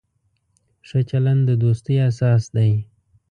ښه چلند د دوستۍ اساس دی.